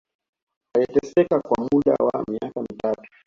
Aliteseka kwa muda wa miaka mitatu